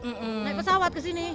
naik pesawat kesini